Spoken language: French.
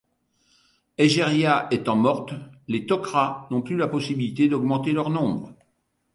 Égéria étant morte, les Tok'ra n'ont plus la possibilité d'augmenter leur nombre.